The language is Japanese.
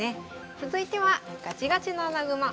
続いてはガチガチの穴熊。